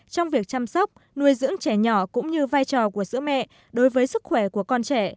trong việc chăm sóc nuôi dưỡng trẻ nhỏ cũng như vai trò của sữa mẹ đối với sức khỏe của con trẻ